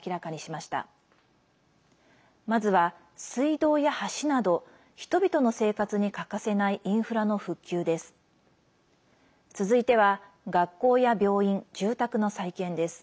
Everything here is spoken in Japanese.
まずは、水道や橋など人々の生活に欠かせないインフラの復旧です。